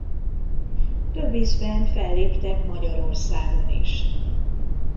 Több ízben felléptek Magyarországon is.